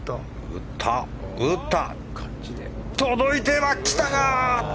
届いてはきたが。